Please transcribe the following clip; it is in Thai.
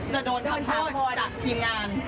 จะโดนทำโทษจากทีมงาน